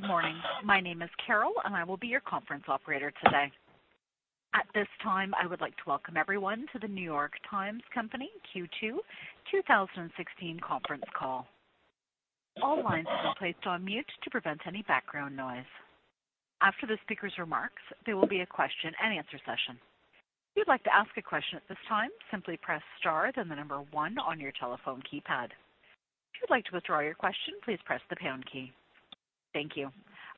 Good morning. My name is Carol, and I will be your conference operator today. At this time, I would like to welcome everyone to The New York Times Company Q2 2016 conference call. All lines have been placed on mute to prevent any background noise. After the speaker's remarks, there will be a question and answer session. If you'd like to ask a question at this time, simply press star then the number one on your telephone keypad. If you'd like to withdraw your question, please press the pound key. Thank you.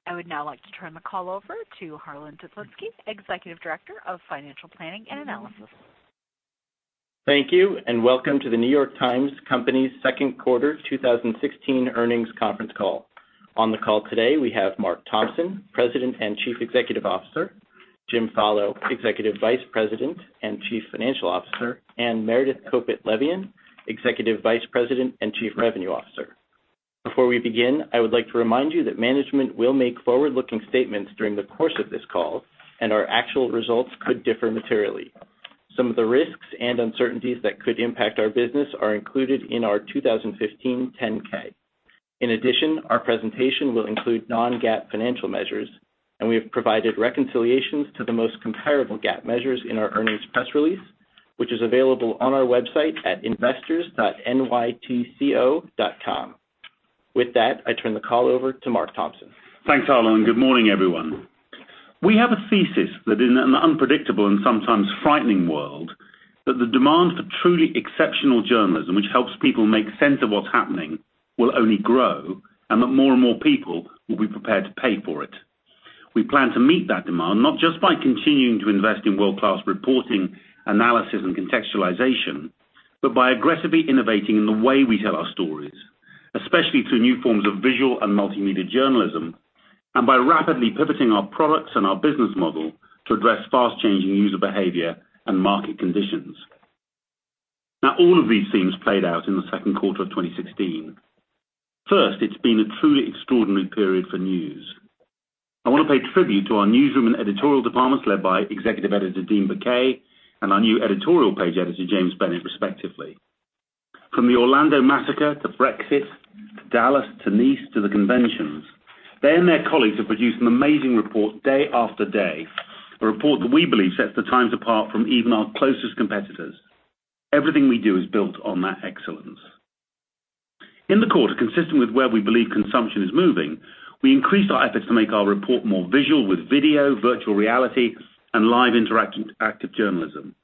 I would now like to turn the call over to Harlan Toplitzky, Executive Director of Financial Planning and Analysis. Thank you, and welcome to The New York Times Company's second quarter 2016 earnings conference call. On the call today, we have Mark Thompson, President and Chief Executive Officer, Jim Follo, Executive Vice President and Chief Financial Officer, and Meredith Kopit Levien, Executive Vice President and Chief Revenue Officer. Before we begin, I would like to remind you that management will make forward-looking statements during the course of this call, and our actual results could differ materially. Some of the risks and uncertainties that could impact our business are included in our 2015 10-K. In addition, our presentation will include non-GAAP financial measures, and we have provided reconciliations to the most comparable GAAP measures in our earnings press release, which is available on our website at investors.nytco.com. With that, I turn the call over to Mark Thompson. Thanks, Harlan, good morning, everyone. We have a thesis that in an unpredictable and sometimes frightening world, that the demand for truly exceptional journalism, which helps people make sense of what's happening, will only grow, and that more and more people will be prepared to pay for it. We plan to meet that demand not just by continuing to invest in world-class reporting, analysis, and contextualization, but by aggressively innovating in the way we tell our stories, especially through new forms of visual and multimedia journalism, and by rapidly pivoting our products and our business model to address fast-changing user behavior and market conditions. Now, all of these themes played out in the second quarter of 2016. First, it's been a truly extraordinary period for news. I want to pay tribute to our newsroom and editorial departments, led by Executive Editor Dean Baquet and our new Editorial Page Editor, James Bennet, respectively. From the Orlando massacre to Brexit, to Dallas, to Nice, to the conventions, they and their colleagues have produced an amazing report day after day, a report that we believe sets the Times apart from even our closest competitors. Everything we do is built on that excellence. In the quarter, consistent with where we believe consumption is moving, we increased our efforts to make our report more visual with video, virtual reality, and live interactive journalism.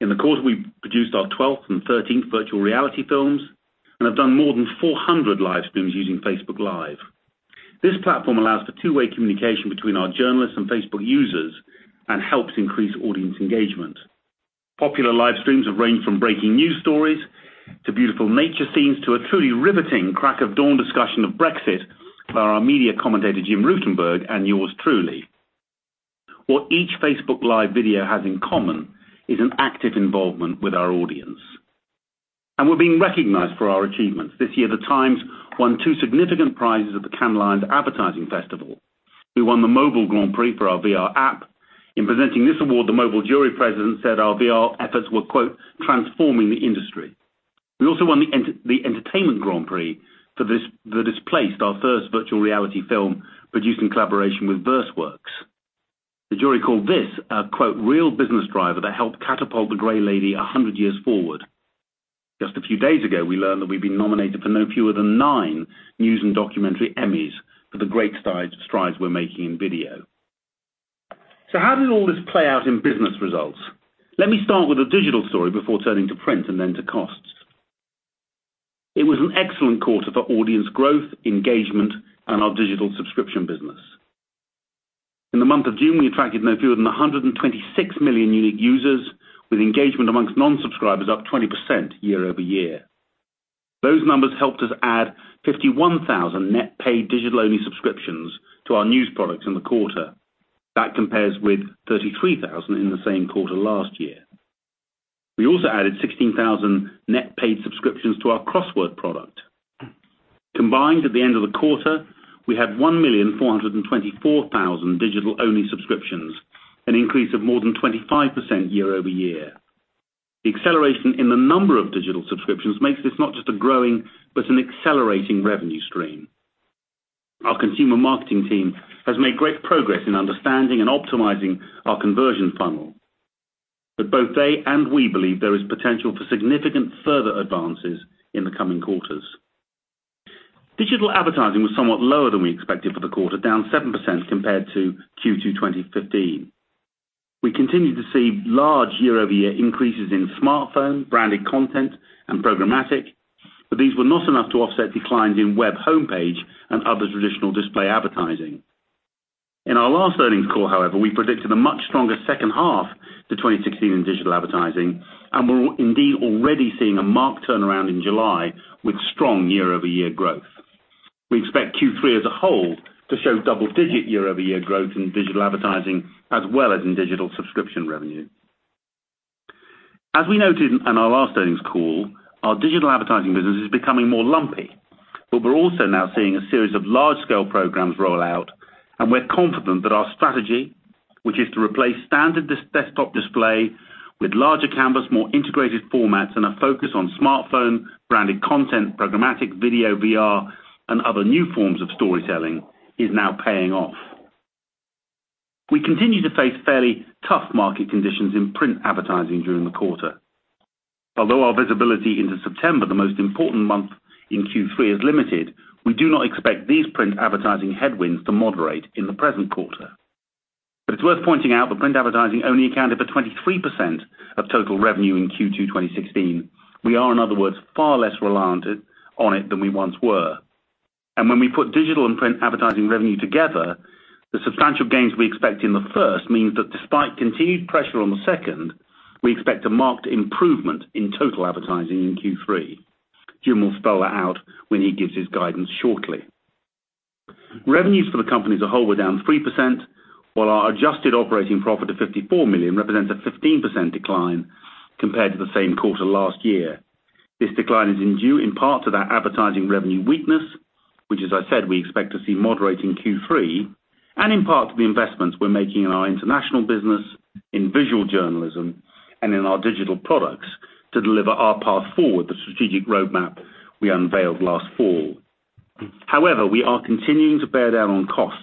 In the quarter, we produced our 12th and 13th virtual reality films and have done more than 400 livestreams using Facebook Live. This platform allows for two-way communication between our journalists and Facebook users and helps increase audience engagement. Popular livestreams have ranged from breaking news stories to beautiful nature scenes to a truly riveting crack of dawn discussion of Brexit by our media commentator, Jim Rutenberg, and yours truly. What each Facebook Live video has in common is an active involvement with our audience. We're being recognized for our achievements. This year, the Times won two significant prizes at the Cannes Lions International Festival of Creativity. We won the Mobile Grand Prix for our VR app. In presenting this award, the mobile jury president said our VR efforts were, quote, "transforming the industry." We also won the Entertainment Grand Prix for The Displaced, our first virtual reality film produced in collaboration with Vrse.works. The jury called this a quote, “real business driver that helped catapult the Gray Lady 100 years forward.” Just a few days ago, we learned that we've been nominated for no fewer than nine News and Documentary Emmys for the great strides we're making in video. How did all this play out in business results? Let me start with the digital story before turning to print and then to costs. It was an excellent quarter for audience growth, engagement, and our digital subscription business. In the month of June, we attracted no fewer than 126 million unique users, with engagement among non-subscribers up 20% year-over-year. Those numbers helped us add 51,000 net paid digital-only subscriptions to our news products in the quarter. That compares with 33,000 in the same quarter last year. We also added 16,000 net paid subscriptions to our crossword product. Combined at the end of the quarter, we had 1,424,000 digital-only subscriptions, an increase of more than 25% year-over-year. The acceleration in the number of digital subscriptions makes this not just a growing but an accelerating revenue stream. Our consumer marketing team has made great progress in understanding and optimizing our conversion funnel. Both they and we believe there is potential for significant further advances in the coming quarters. Digital advertising was somewhat lower than we expected for the quarter, down 7% compared to Q2 2015. We continued to see large year-over-year increases in smartphone, branded content, and programmatic, but these were not enough to offset declines in web homepage and other traditional display advertising. In our last earnings call, however, we predicted a much stronger second half to 2016 in digital advertising, and we're indeed already seeing a marked turnaround in July with strong year-over-year growth. We expect Q3 as a whole to show double-digit year-over-year growth in digital advertising as well as in digital subscription revenue. As we noted in our last earnings call, our digital advertising business is becoming more lumpy, but we're also now seeing a series of large-scale programs roll out, and we're confident that our strategy, which is to replace standard desktop display with larger canvas, more integrated formats, and a focus on smartphone branded content, programmatic video, VR, and other new forms of storytelling, is now paying off. We continue to face fairly tough market conditions in print advertising during the quarter. Although our visibility into September, the most important month in Q3, is limited, we do not expect these print advertising headwinds to moderate in the present quarter. It's worth pointing out that print advertising only accounted for 23% of total revenue in Q2 2016. We are, in other words, far less reliant on it than we once were. When we put digital and print advertising revenue together, the substantial gains we expect in the first means that despite continued pressure on the second, we expect a marked improvement in total advertising in Q3. Jim will spell that out when he gives his guidance shortly. Revenues for the company as a whole were down 3%, while our adjusted operating profit of $54 million represents a 15% decline compared to the same quarter last year. This decline is due in part to that advertising revenue weakness, which as I said, we expect to see moderate in Q3, and in part to the investments we're making in our international business, in visual journalism, and in our digital products to deliver our path forward, the strategic roadmap we unveiled last fall. However, we are continuing to bear down on costs.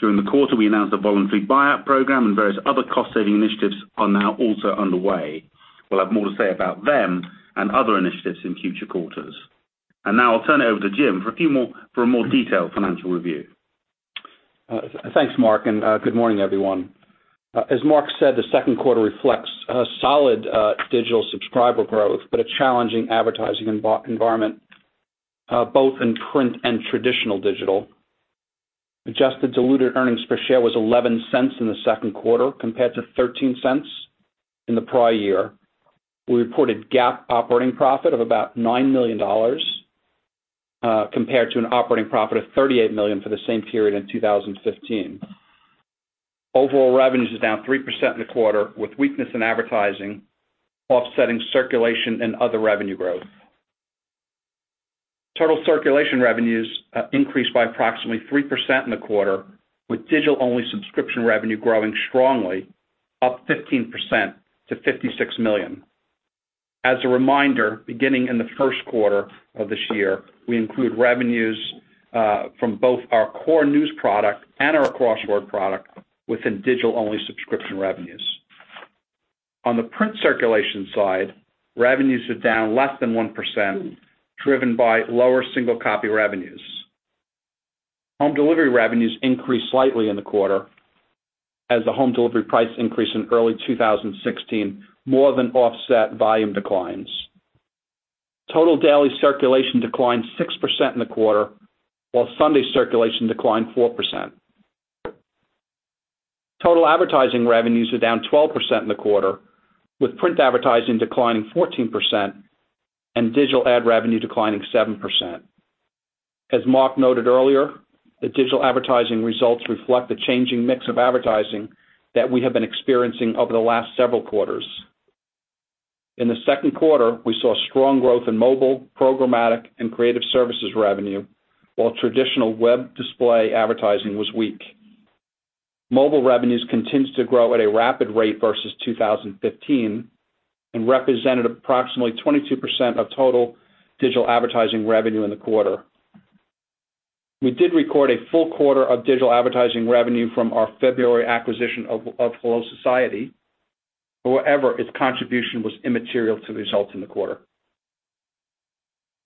During the quarter, we announced a voluntary buyout program, and various other cost-saving initiatives are now also underway. We'll have more to say about them and other initiatives in future quarters. Now I'll turn it over to Jim for a more detailed financial review. Thanks, Mark, and good morning, everyone. As Mark said, the second quarter reflects a solid digital subscriber growth, but a challenging advertising environment both in print and traditional digital. Adjusted diluted earnings per share was $0.11 in the second quarter, compared to $0.13 in the prior year. We reported GAAP operating profit of about $9 million, compared to an operating profit of $38 million for the same period in 2015. Overall revenues is down 3% in the quarter, with weakness in advertising offsetting circulation and other revenue growth. Total circulation revenues increased by approximately 3% in the quarter, with digital-only subscription revenue growing strongly, up 15% to $56 million. As a reminder, beginning in the first quarter of this year, we include revenues from both our core news product and our crossword product within digital-only subscription revenues. On the print circulation side, revenues are down less than 1%, driven by lower single copy revenues. Home delivery revenues increased slightly in the quarter as the home delivery price increase in early 2016 more than offset volume declines. Total daily circulation declined 6% in the quarter, while Sunday circulation declined 4%. Total advertising revenues are down 12% in the quarter, with print advertising declining 14% and digital ad revenue declining 7%. As Mark noted earlier, the digital advertising results reflect the changing mix of advertising that we have been experiencing over the last several quarters. In the second quarter, we saw strong growth in mobile, programmatic, and creative services revenue, while traditional web display advertising was weak. Mobile revenues continued to grow at a rapid rate versus 2015 and represented approximately 22% of total digital advertising revenue in the quarter. We did record a full quarter of digital advertising revenue from our February acquisition of HelloSociety. However, its contribution was immaterial to the results in the quarter.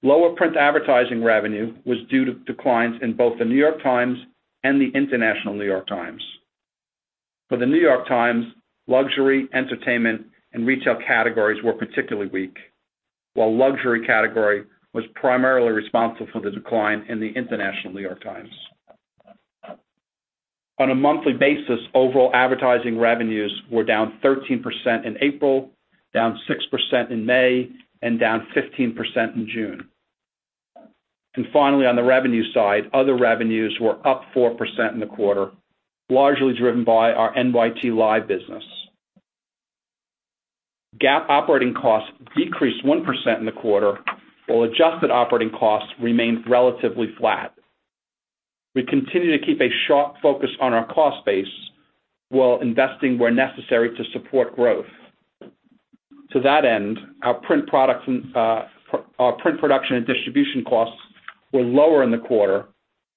Lower print advertising revenue was due to declines in both The New York Times and the International New York Times. For The New York Times, luxury, entertainment, and retail categories were particularly weak. While luxury category was primarily responsible for the decline in the International New York Times. On a monthly basis, overall advertising revenues were down 13% in April, down 6% in May, and down 15% in June. On the revenue side, other revenues were up 4% in the quarter, largely driven by our NYT Live business. GAAP operating costs decreased 1% in the quarter, while adjusted operating costs remained relatively flat. We continue to keep a sharp focus on our cost base while investing where necessary to support growth. To that end, our print production and distribution costs were lower in the quarter,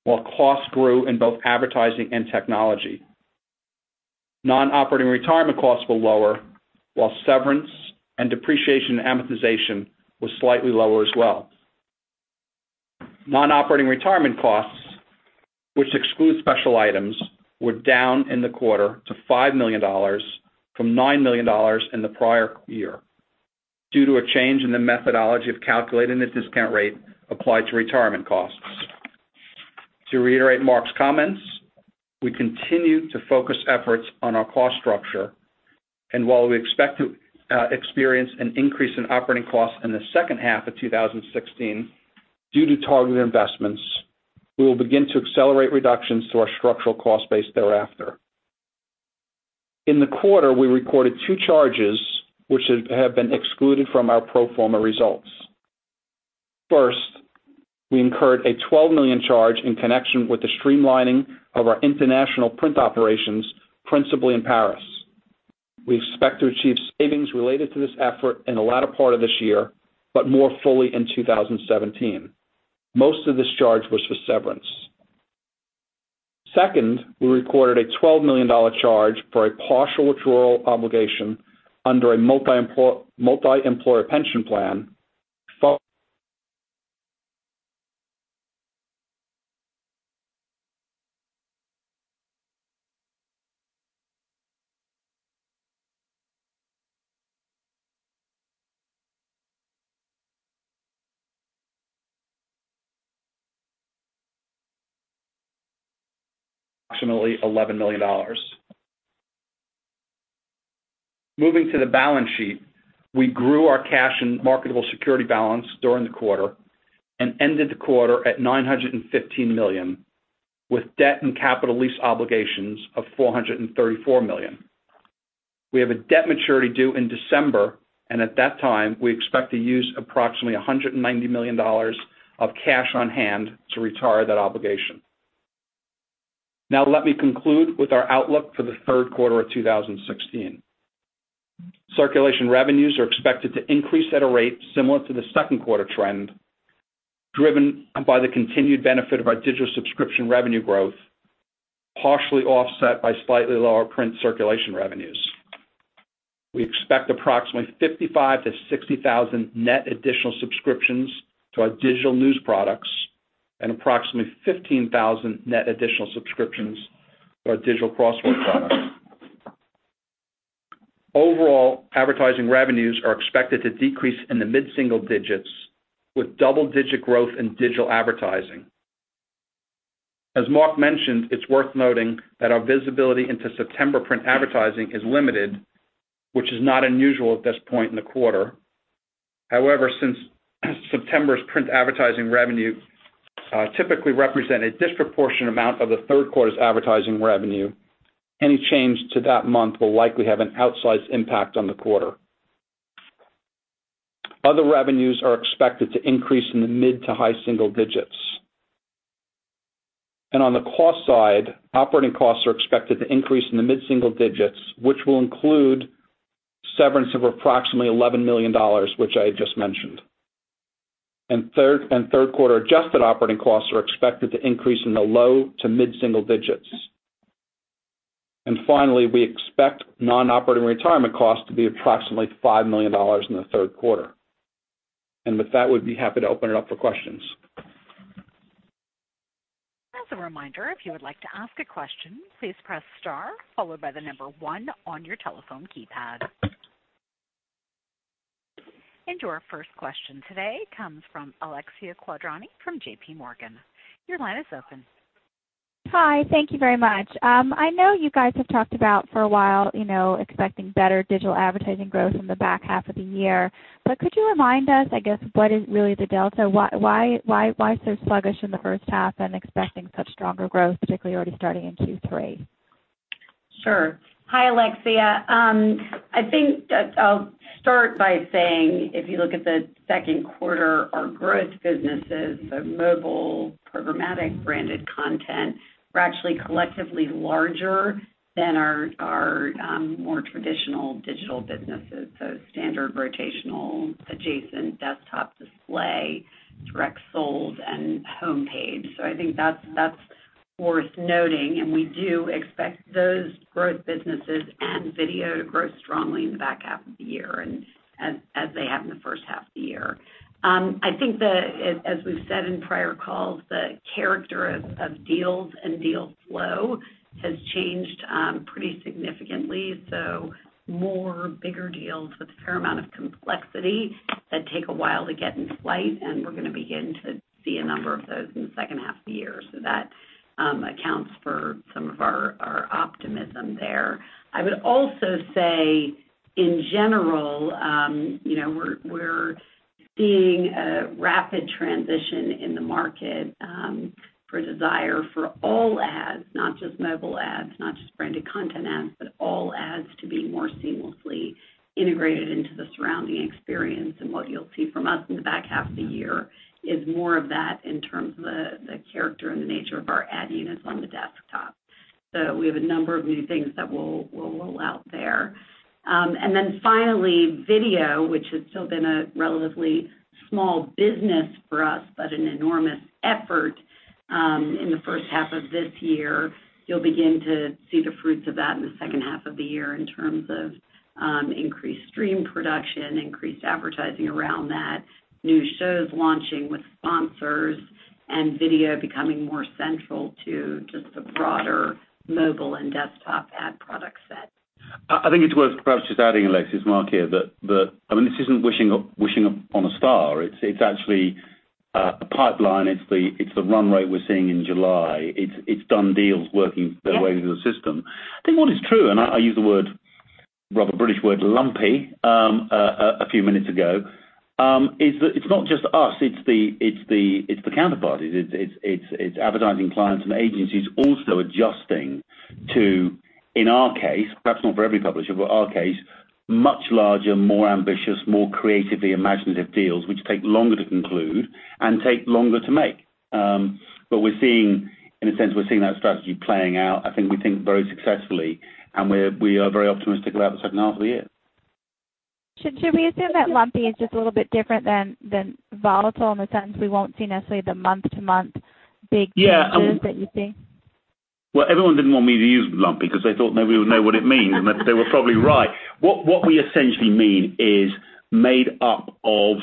while costs grew in both advertising and technology. Non-operating retirement costs were lower, while severance, and depreciation and amortization was slightly lower as well. Non-operating retirement costs, which exclude special items, were down in the quarter to $5 million from $9 million in the prior year due to a change in the methodology of calculating the discount rate applied to retirement costs. To reiterate Mark's comments, we continue to focus efforts on our cost structure, and while we expect to experience an increase in operating costs in the second half of 2016 due to targeted investments, we will begin to accelerate reductions to our structural cost base thereafter. In the quarter, we recorded two charges, which have been excluded from our pro forma results. First, we incurred a $12 million charge in connection with the streamlining of our international print operations, principally in Paris. We expect to achieve savings related to this effort in the latter part of this year, but more fully in 2017. Most of this charge was for severance. Second, we recorded a $12 million charge for a partial withdrawal obligation under a multi-employer pension plan, approximately $11 million. Moving to the balance sheet, we grew our cash and marketable security balance during the quarter and ended the quarter at $915 million, with debt and capital lease obligations of $434 million. We have a debt maturity due in December, and at that time, we expect to use approximately $190 million of cash on hand to retire that obligation. Now let me conclude with our outlook for the third quarter of 2016. Circulation revenues are expected to increase at a rate similar to the second quarter trend, driven by the continued benefit of our digital subscription revenue growth, partially offset by slightly lower print circulation revenues. We expect approximately 55,000-60,000 net additional subscriptions to our digital news products and approximately 15,000 net additional subscriptions to our digital crossword products. Overall, advertising revenues are expected to decrease in the mid-single digits with double-digit growth in digital advertising. As Mark mentioned, it's worth noting that our visibility into September print advertising is limited, which is not unusual at this point in the quarter. However, since September's print advertising revenue typically represent a disproportionate amount of the third quarter's advertising revenue, any change to that month will likely have an outsized impact on the quarter. Other revenues are expected to increase in the mid- to high-single digits. On the cost side, operating costs are expected to increase in the mid-single digits, which will include severance of approximately $11 million, which I just mentioned. Third quarter adjusted operating costs are expected to increase in the low- to mid-single digits. Finally, we expect non-operating retirement costs to be approximately $5 million in the third quarter. With that, we'd be happy to open it up for questions. As a reminder, if you would like to ask a question, please press star followed by the number one on your telephone keypad. Our first question today comes from Alexia Quadrani from JPMorgan. Your line is open. Hi. Thank you very much. I know you guys have talked about for a while expecting better digital advertising growth in the back half of the year, but could you remind us, I guess, what is really the delta? Why so sluggish in the first half and expecting such stronger growth, particularly already starting in Q3? Sure. Hi, Alexia. I think that I'll start by saying, if you look at the second quarter, our growth businesses, so mobile, programmatic branded content, were actually collectively larger than our more traditional digital businesses. Standard rotational adjacent desktop display, direct sold, and homepage. I think that's worth noting, and we do expect those growth businesses and video to grow strongly in the back half of the year and as they have in the first half of the year. I think that, as we've said in prior calls, the character of deals and deal flow has changed pretty significantly. More bigger deals with a fair amount of complexity that take a while to get in flight, and we're going to begin to see a number of those in the second half of the year. That accounts for some of our optimism there. I would also say, in general we're seeing a rapid transition in the market for desire for all ads, not just mobile ads, not just branded content ads, but all ads to be more seamlessly integrated into the surrounding experience. What you'll see from us in the back half of the year is more of that in terms of the character and the nature of our ad units on the desktop. We have a number of new things that we'll roll out there. Then finally, video, which has still been a relatively small business for us, but an enormous effort in the first half of this year. You'll begin to see the fruits of that in the second half of the year in terms of increased stream production, increased advertising around that, new shows launching with sponsors, and video becoming more central to just the broader mobile and desktop ad product set. I think it's worth perhaps just adding, Alexia, it's Mark here, that this isn't wishing upon a star. It's actually a pipeline. It's the run rate we're seeing in July. It's done deals working their way through the system. I think what is true, and I use the word Rather British word lumpy, a few minutes ago, is that it's not just us, it's the counterparties, it's advertising clients and agencies also adjusting to, in our case, perhaps not for every publisher, but our case, much larger, more ambitious, more creatively imaginative deals, which take longer to conclude and take longer to make, so we are saying in a sense, we're seeing that strategy playing out, I think, we think very successfully, and we are very optimistic about the second half of the year. Should we assume that lumpy is just a little bit different than volatile in the sense we won't see necessarily the month-to-month big? Yeah pieces that you'd see? Well, everyone didn't want me to use lumpy because they thought nobody would know what it means, and they were probably right. What we essentially mean is made up of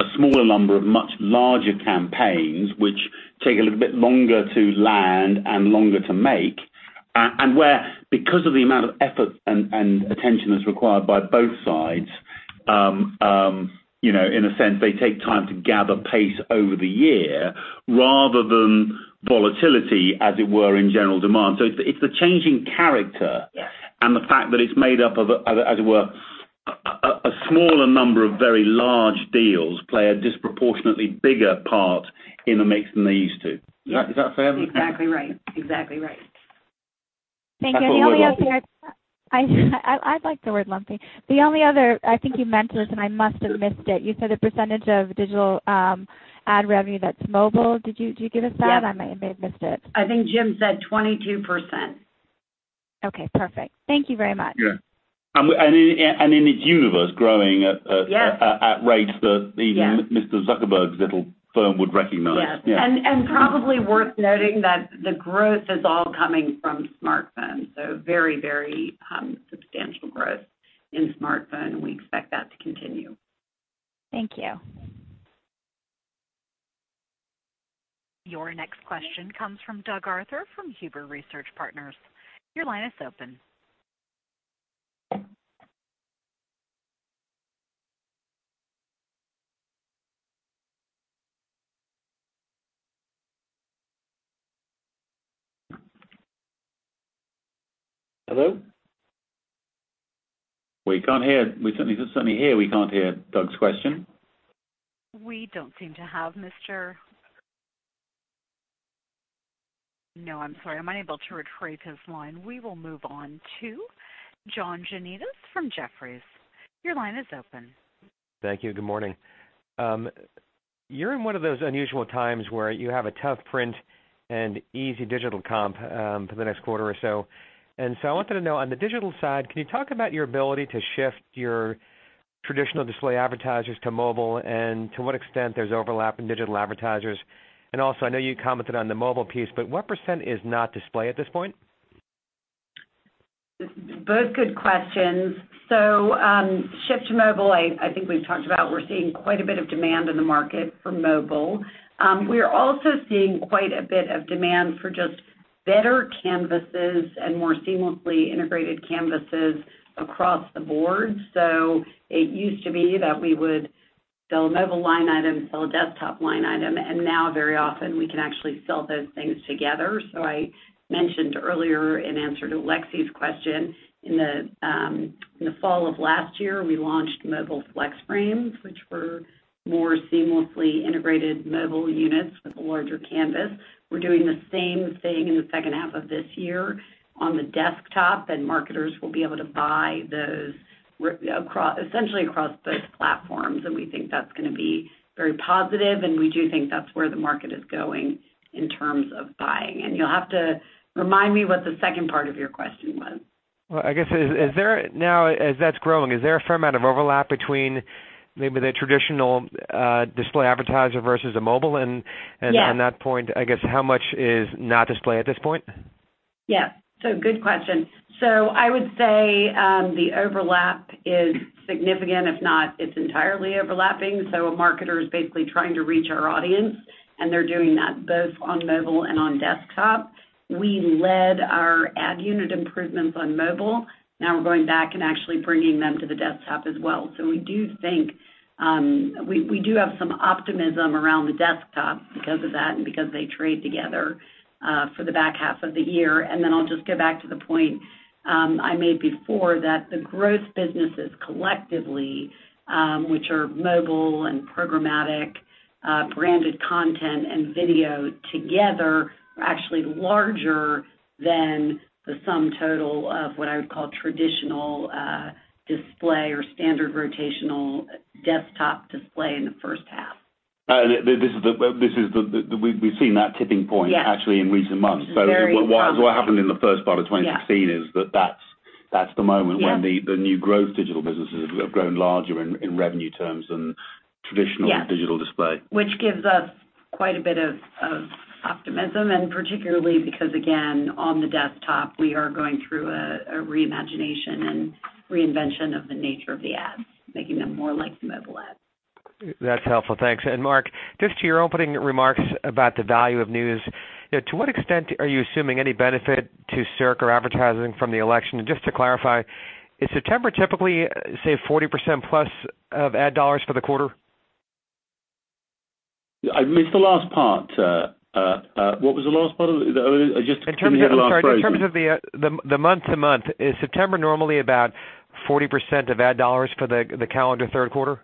a smaller number of much larger campaigns, which take a little bit longer to land and longer to make and where, because of the amount of effort and attention that's required by both sides, in a sense, they take time to gather pace over the year rather than volatility, as it were, in general demand. It's the changing character and the fact that it's made up of a, as it were, a smaller number of very large deals play a disproportionately bigger part in the mix than they used to. Is that fair? Exactly right. Thank you. I like the word lumpy. The only other, I think you meant this, and I must have missed it, you said a percentage of digital ad revenue that's mobile. Did you give us that? I may have missed it. I think Jim said 22%. Okay, perfect. Thank you very much. Yeah. In its universe growing. Yes at rates that even Mr. Zuckerberg's little firm would recognize. Yes. Probably worth noting that the growth is all coming from smartphone. Very substantial growth in smartphone, and we expect that to continue. Thank you. Your next question comes from Doug Arthur from Huber Research Partners. Your line is open. Hello? We can certainly hear. We can't hear Doug's question. We don't seem to have Mr. ..No, I'm sorry. I'm unable to retrieve his line. We will move on to John Janedis from Jefferies. Your line is open. Thank you. Good morning. You're in one of those unusual times where you have a tough print and easy digital comp for the next quarter or so. I wanted to know, on the digital side, can you talk about your ability to shift your traditional display advertisers to mobile and to what extent there's overlap in digital advertisers? Also, I know you commented on the mobile piece, but what percent is not display at this point? Both good questions. Shift to mobile, I think we've talked about we're seeing quite a bit of demand in the market for mobile. We are also seeing quite a bit of demand for just better canvases and more seamlessly integrated canvases across the board. It used to be that we would sell a mobile line item, sell a desktop line item, and now very often we can actually sell those things together. I mentioned earlier in answer to Lexi's question, in the fall of last year, we launched mobile Flex Frames, which were more seamlessly integrated mobile units with a larger canvas. We're doing the same thing in the second half of this year on the desktop, and marketers will be able to buy those essentially across both platforms. We think that's going to be very positive, and we do think that's where the market is going in terms of buying. You'll have to remind me what the second part of your question was. Well, I guess now as that's growing, is there a fair amount of overlap between maybe the traditional display advertiser versus a mobile and- Yeah on that point, I guess, how much is not display at this point? Yeah. Good question. I would say the overlap is significant, if not, it's entirely overlapping. A marketer is basically trying to reach our audience, and they're doing that both on mobile and on desktop. We led our ad unit improvements on mobile. Now we're going back and actually bringing them to the desktop as well. We do have some optimism around the desktop because of that and because they trade together, for the back half of the year. Then I'll just get back to the point I made before that the growth businesses collectively, which are mobile and programmatic, branded content and video together, are actually larger than the sum total of what I would call traditional display or standard rotational desktop display in the first half. We've seen that tipping point. Yes Actually in recent months. Very- What happened in the first part of 2016 is that's the moment when the new growth digital businesses have grown larger in revenue terms than traditional- Yes digital display. Which gives us quite a bit of optimism, and particularly because, again, on the desktop, we are going through a re-imagination and reinvention of the nature of the ads, making them more like the mobile ads. That's helpful. Thanks. Mark, just to your opening remarks about the value of news, to what extent are you assuming any benefit to circ or advertising from the election? Just to clarify, is September typically, say, 40%+ of ad dollars for the quarter? I missed the last part. What was the last part? I just didn't hear the last phrase. In terms of the month-to-month, is September normally about 40% of ad dollars for the calendar third quarter?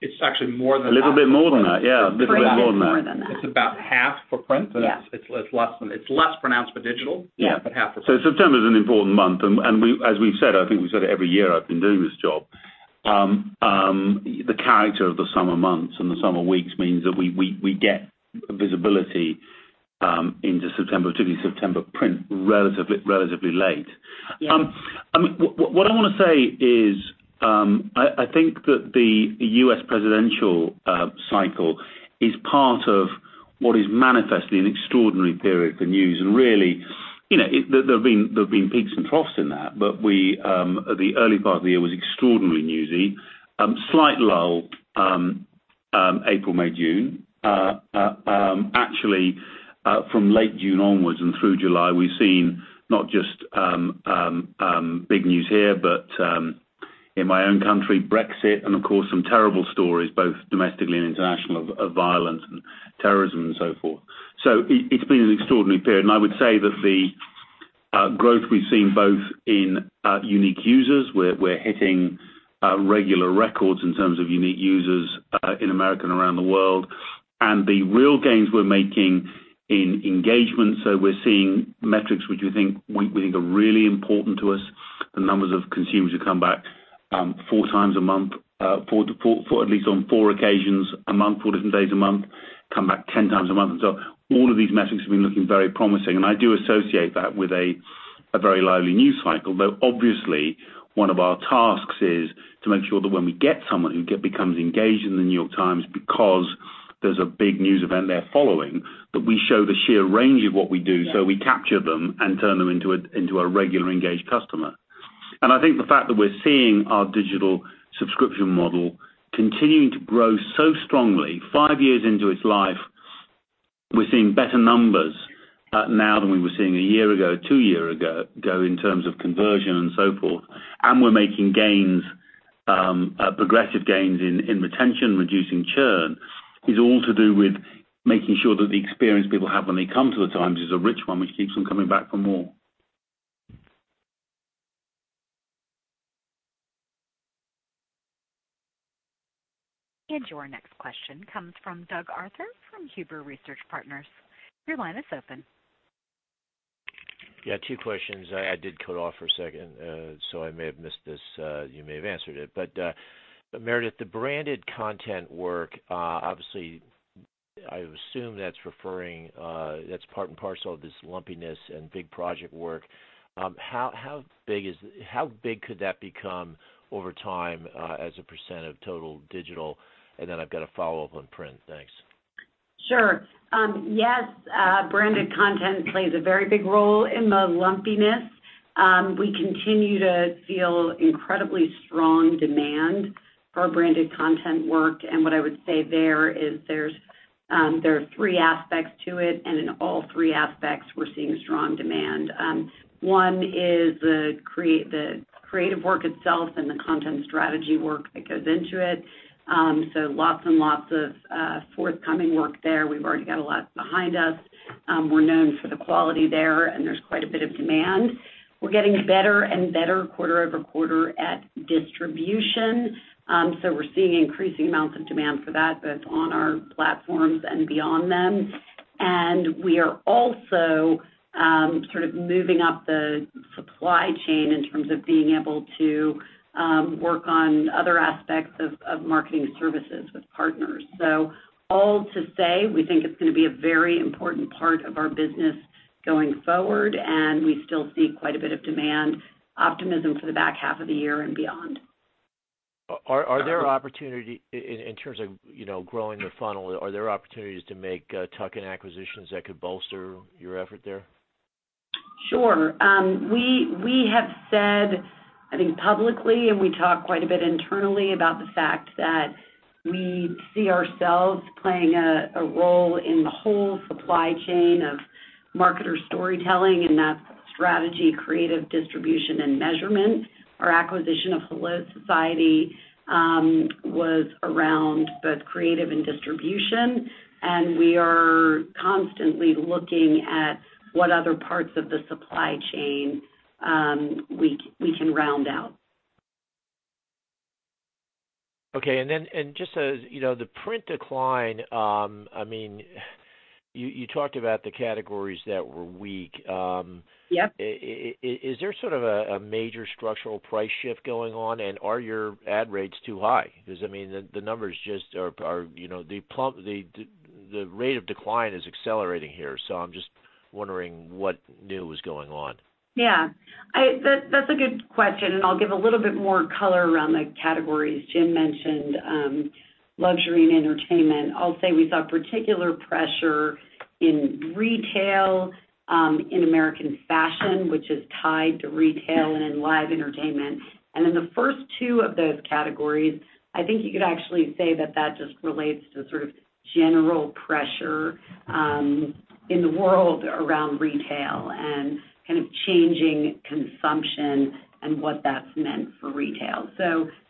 It's actually more than that. A little bit more than that, yeah. It's pretty much more than that. It's about half for print. Yeah. It's less pronounced for digital. Yeah. Half for print. September is an important month, and as we've said, I think we've said it every year I've been doing this job, the character of the summer months and the summer weeks means that we get visibility into September, particularly September print, relatively late. Yeah. What I want to say is, I think that the U.S. presidential cycle is part of what is manifestly an extraordinary period for news, and really, there have been peaks and troughs in that, but the early part of the year was extraordinarily newsy. Slight lull in April, May, June. Actually, from late June onwards and through July, we've seen not just big news here, but in my own country, Brexit, and of course, some terrible stories, both domestically and internationally, of violence and terrorism and so forth. It's been an extraordinary period, and I would say that the growth we've seen both in unique users, we're hitting regular records in terms of unique users in America and around the world, and the real gains we're making in engagement, so we're seeing metrics which we think are really important to us, the numbers of consumers who come back 4x a month, at least on four occasions a month, four different days a month, come back 10x a month, and so all of these metrics have been looking very promising. I do associate that with a very lively news cycle, though obviously, one of our tasks is to make sure that when we get someone who becomes engaged in The New York Times because there's a big news event they're following, that we show the sheer range of what we do. We capture them and turn them into a regular engaged customer. I think the fact that we're seeing our digital subscription model continuing to grow so strongly five years into its life, we're seeing better numbers now than we were seeing a year ago, two years ago, in terms of conversion and so forth, and we're making progressive gains in retention, reducing churn, is all to do with making sure that the experience people have when they come to The Times is a rich one which keeps them coming back for more. Your next question comes from Doug Arthur from Huber Research Partners. Your line is open. Yeah, two questions. I did cut off for a second, so I may have missed this, you may have answered it. Meredith, the branded content work, obviously, I assume that's part and parcel of this lumpiness and big project work. How big could that become over time as a percent of total digital? And then I've got a follow-up on print. Thanks. Sure. Yes, branded content plays a very big role in the lumpiness. We continue to feel incredibly strong demand for branded content work, and what I would say there is there are three aspects to it, and in all three aspects, we're seeing strong demand. One is the creative work itself and the content strategy work that goes into it. Lots and lots of forthcoming work there. We've already got a lot behind us. We're known for the quality there, and there's quite a bit of demand. We're getting better and better quarter-over-quarter at distribution, so we're seeing increasing amounts of demand for that, both on our platforms and beyond them. We are also sort of moving up the supply chain in terms of being able to work on other aspects of marketing services with partners. All to say, we think it's going to be a very important part of our business going forward, and we still see quite a bit of demand optimism for the back half of the year and beyond. Are there opportunities, in terms of growing the funnel, are there opportunities to make tuck-in acquisitions that could bolster your effort there? Sure. We have said, I think publicly, and we talk quite a bit internally about the fact that we see ourselves playing a role in the whole supply chain of marketer storytelling, and that's strategy, creative distribution, and measurement. Our acquisition of HelloSociety was around both creative and distribution, and we are constantly looking at what other parts of the supply chain we can round out. Okay. Just the print decline, you talked about the categories that were weak. Yep. Is there sort of a major structural price shift going on? Are your ad rates too high? Because the rate of decline is accelerating here, so I'm just wondering what's new is going on. Yeah. That's a good question, and I'll give a little bit more color around the categories Jim mentioned, luxury and entertainment. I'll say we saw particular pressure in retail, in American fashion, which is tied to retail, and in live entertainment. In the first two of those categories, I think you could actually say that that just relates to sort of general pressure in the world around retail and changing consumption and what that's meant for retail.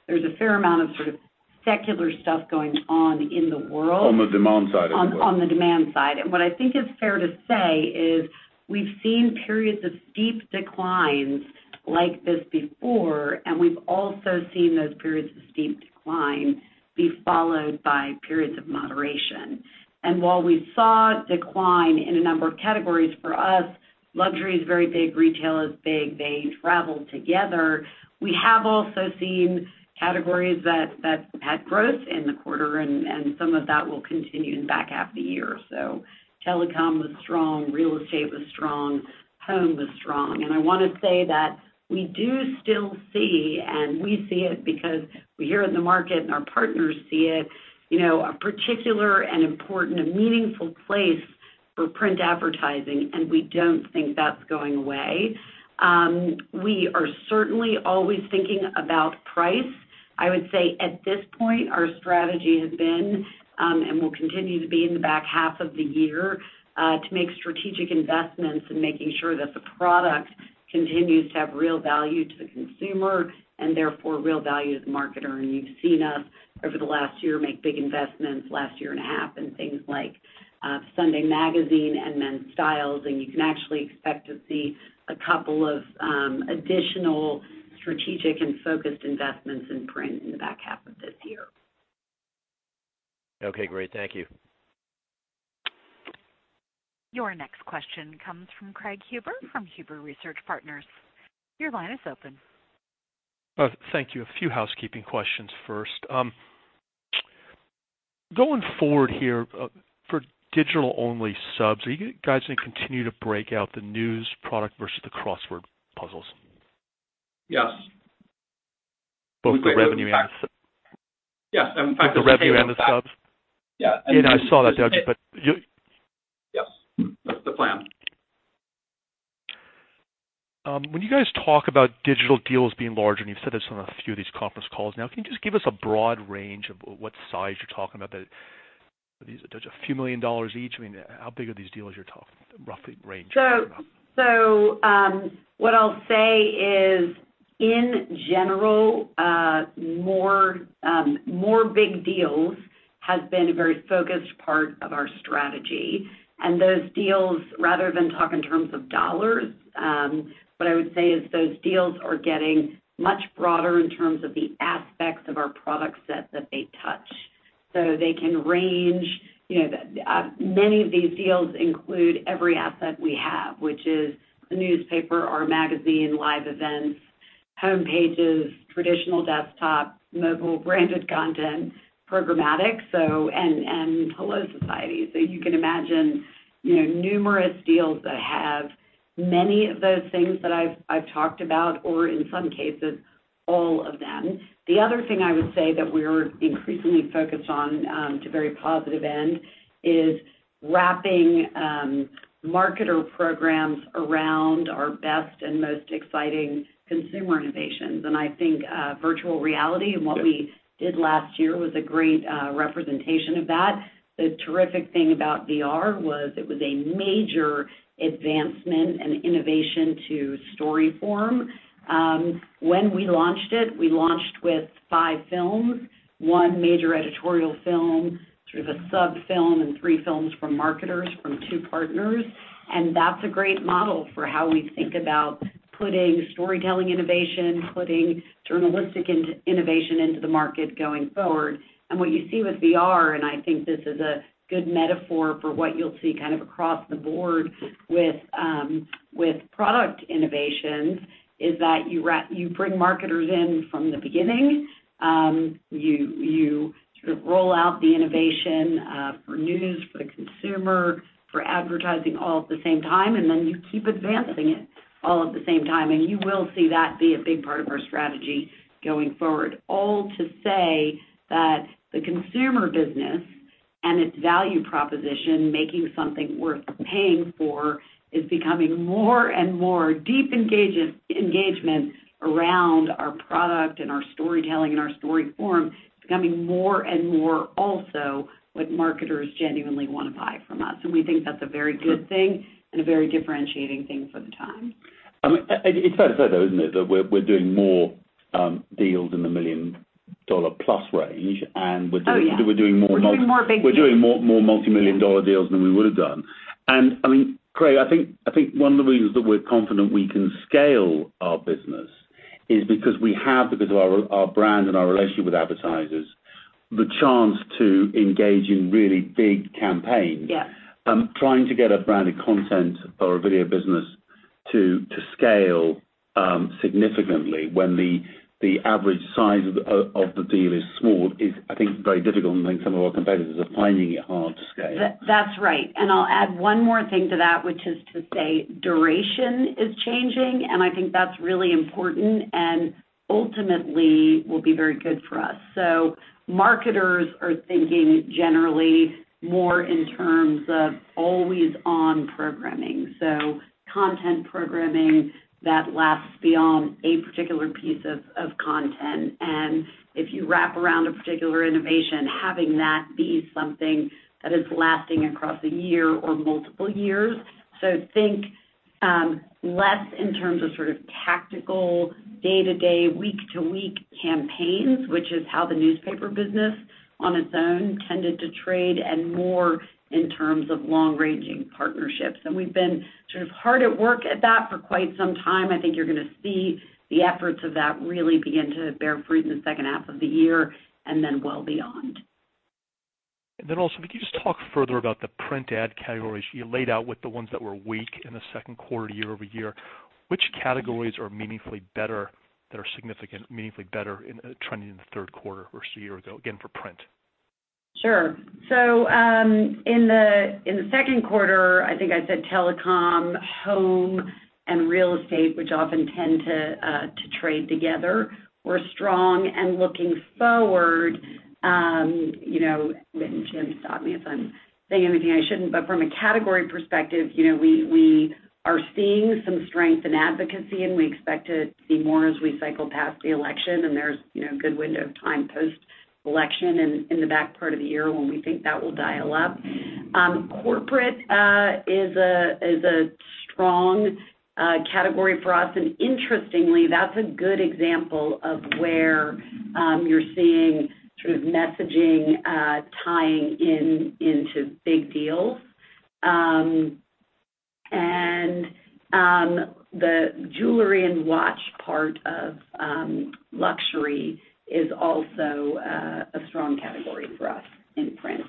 There's a fair amount of secular stuff going on in the world. On the demand side of the world. On the demand side. What I think is fair to say is we've seen periods of steep declines like this before, and we've also seen those periods of steep decline be followed by periods of moderation. While we saw decline in a number of categories for us, luxury is very big, retail is big. They travel together. We have also seen categories that had growth in the quarter, and some of that will continue in the back half of the year. Telecom was strong, real estate was strong, home was strong. I want to say that we do still see, and we see it because we hear it in the market, and our partners see it, a particular and important and meaningful place for print advertising, and we don't think that's going away. We are certainly always thinking about price. I would say at this point, our strategy has been, and will continue to be in the back half of the year, to make strategic investments in making sure that the product continues to have real value to the consumer, and therefore real value to the marketer. You've seen us over the last year make big investments, last year and a half, in things like Sunday magazine and Men's Style, and you can actually expect to see a couple of additional strategic and focused investments in print in the back half of this year. Okay, great. Thank you. Your next question comes from Craig Huber, from Huber Research Partners. Your line is open. Thank you. A few housekeeping questions first. Going forward here, for digital-only subs, are you guys going to continue to break out the news product versus the crossword puzzles? Yes. Both the revenue and the subs? Yes. The revenue and the subs? Yeah. I saw that the other day, but you Yes, that's the plan. When you guys talk about digital deals being larger, and you've said this on a few of these conference calls now, can you just give us a broad range of what size you're talking about? Are these just a few million dollars each? How big are these deals you're talking, rough range? What I'll say is, in general more big deals has been a very focused part of our strategy. Those deals, rather than talk in terms of dollars, what I would say is those deals are getting much broader in terms of the aspects of our product set that they touch. They can range. Many of these deals include every asset we have, which is a newspaper or a magazine, live events, homepages, traditional desktop, mobile, branded content, programmatic, and HelloSociety. You can imagine numerous deals that have many of those things that I've talked about or in some cases, all of them. The other thing I would say that we're increasingly focused on to very positive end is wrapping marketer programs around our best and most exciting consumer innovations. I think virtual reality and what we did last year was a great representation of that. The terrific thing about VR was it was a major advancement and innovation to story form. When we launched it, we launched with five films, one major editorial film, [inaudible] the sub-film, and three films from marketers from two partners. That's a great model for how we think about putting storytelling innovation, putting journalistic innovation into the market going forward. What you see with VR, and I think this is a good metaphor for what you'll see kind of across the board with product innovations, is that you bring marketers in from the beginning. You sort of roll out the innovation for news, for the consumer, for advertising, all at the same time, and then you keep advancing it all at the same time. You will see that be a big part of our strategy going forward. All to say that the consumer business and its value proposition, making something worth paying for, is becoming more and more deep engagement around our product and our storytelling and our story form. It's becoming more and more also what marketers genuinely want to buy from us. We think that's a very good thing and a very differentiating thing for the time. It's fair to say, though, isn't it, that we're doing more deals in the million dollar plus range, and we're- Oh, yeah. we're doing more multi We're doing more big deals. We're doing more multimillion dollar deals than we would have done. Craig, I think one of the reasons that we're confident we can scale our business is because we have, because of our brand and our relationship with advertisers, the chance to engage in really big campaigns. Yes. Trying to get a branded content or a video business to scale significantly when the average size of the deal is small is, I think, very difficult, and I think some of our competitors are finding it hard to scale. That's right. I'll add one more thing to that, which is to say duration is changing, and I think that's really important and ultimately will be very good for us. Marketers are thinking generally more in terms of always on programming. Content programming that lasts beyond a particular piece of content. If you wrap around a particular innovation, having that be something that is lasting across a year or multiple years. Think less in terms of tactical day-to-day, week-to-week campaigns, which is how the newspaper business on its own tended to trade, and more in terms of long-ranging partnerships. We've been hard at work at that for quite some time. I think you're going to see the efforts of that really begin to bear fruit in the second half of the year and then well beyond. Can you just talk further about the print ad categories you laid out with the ones that were weak in the second quarter year-over-year? Which categories are meaningfully better, that are significant, meaningfully better trending in the third quarter versus a year ago, again, for print? Sure. In the second quarter, I think I said telecom, home, and real estate, which often tend to trade together, were strong. Looking forward, and Jim, stop me if I'm saying anything I shouldn't, but from a category perspective, we are seeing some strength in advocacy, and we expect to see more as we cycle past the election, and there's a good window of time post-election in the back part of the year when we think that will dial up. Corporate is a strong category for us, and interestingly, that's a good example of where you're seeing messaging tying into big deals. The jewelry and watch part of luxury is also a strong category for us in print.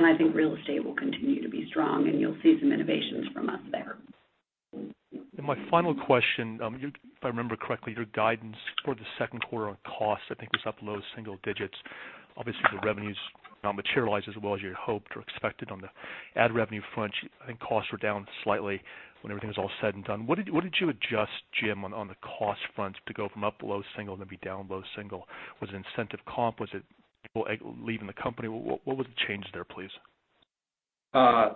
I think real estate will continue to be strong, and you'll see some innovations from us there. My final question, if I remember correctly, your guidance for the second quarter on cost, I think, was up low single digits. Obviously, the revenues have not materialized as well as you had hoped or expected on the ad revenue front. I think costs were down slightly when everything was all said and done. What did you adjust, Jim, on the cost front to go from up low single to be down low single? Was it incentive comp? Was it people leaving the company? What was the change there, please? A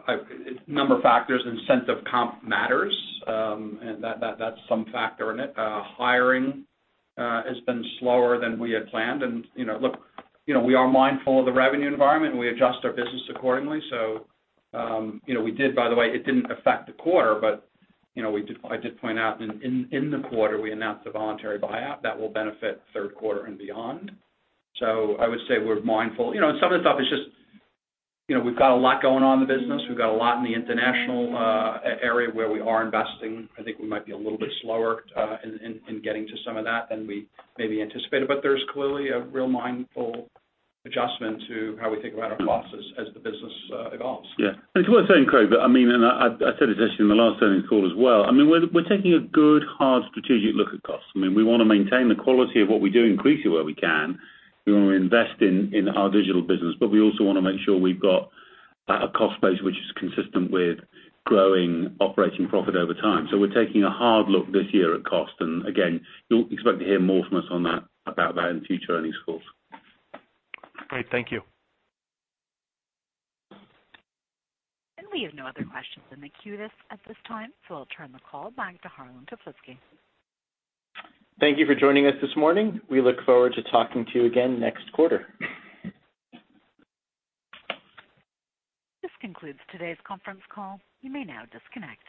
number of factors. Incentive comp matters. That's some factor in it. Hiring has been slower than we had planned. Look, we are mindful of the revenue environment, and we adjust our business accordingly. We did, by the way, it didn't affect the quarter, but I did point out in the quarter, we announced a voluntary buyout that will benefit third quarter and beyond. I would say we're mindful. Some of the stuff is just we've got a lot going on in the business. We've got a lot in the international area where we are investing. I think we might be a little bit slower in getting to some of that than we maybe anticipated. There's clearly a real mindful adjustment to how we think about our costs as the business evolves. Yeah. It's worth saying, Craig, I said this actually in the last earnings call as well, we're taking a good, hard strategic look at costs. We want to maintain the quality of what we do, increase it where we can. We want to invest in our digital business, but we also want to make sure we've got a cost base which is consistent with growing operating profit over time. We're taking a hard look this year at cost, and again, you'll expect to hear more from us about that in future earnings calls. Great. Thank you. We have no other questions in the queue at this time, so I'll turn the call back to Harlan Toplitzky. Thank you for joining us this morning. We look forward to talking to you again next quarter. This concludes today's conference call. You may now disconnect.